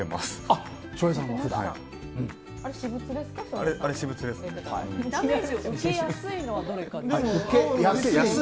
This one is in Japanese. あれは私物です。